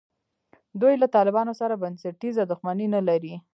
دوی له طالبانو سره بنسټیزه دښمني نه لري.